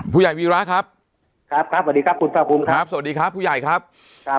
ผู้ใหญ่วีระครับครับครับสวัสดีครับคุณสาวคุณครับสวัสดีครับผู้ใหญ่ครับครับ